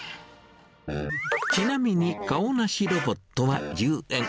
ちなみに顔なしロボットは１０円。